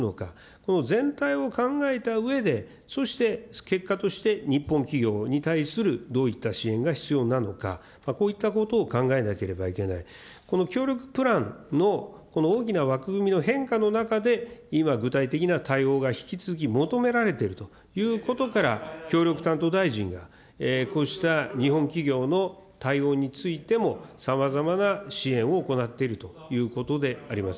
この全体を考えたうえで、そして結果として日本企業に対するどういった支援が必要なのか、こういったことを考えなければいけない、この協力プランの大きな枠組みの変化の中で、今、具体的な対応が引き続き求められているということから、協力担当大臣が、こうした日本企業の対応についても、さまざまな支援を行っているということであります。